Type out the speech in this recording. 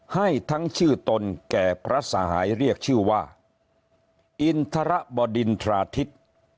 ให้ทั้งชื่อตนแก่พระสหายเรียกชื่อว่าอินทรบดินทราทิศ